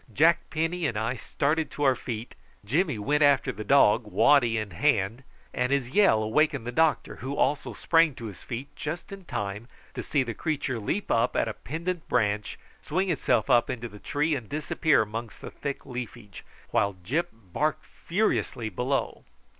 Jack Penny and I started to our feet, Jimmy went after the dog, waddy in hand, and his yell awakened the doctor, who also sprang to his feet just in time to see the creature leap up at a pendent branch, swing itself up in the tree, and disappear amongst the thick leafage, while Gyp barked furiously below.